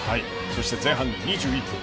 そして前半１１分。